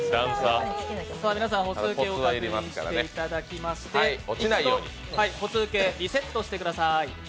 皆さん、歩数計確認していただきまして、一度、歩数計をリセットしてください。